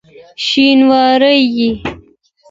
شینواری یې؟!